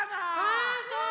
あそう。